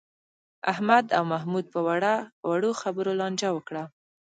احمد او محمود په وړو خبرو لانجه وکړه.